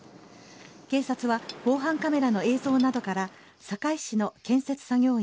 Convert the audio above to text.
警察は防犯カメラの映像などから堺市の建設作業員